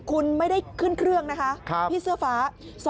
คุณไม่ได้ขึ้นเครื่องนะคะพี่เสื้อฟ้า